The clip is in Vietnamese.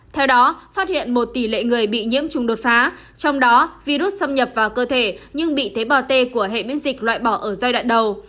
theo đó phát hiện một tỷ lệ người bị nhiễm trùng đột phá trong đó virus xâm nhập vào cơ thể nhưng bị tế bào t của hệ miễn dịch loại bỏ ở giai đoạn đầu